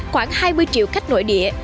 khoảng hai mươi triệu khách nội địa